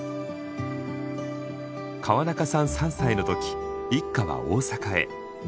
川中さん３歳の時一家は大阪へ。